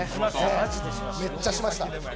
めっちゃしました。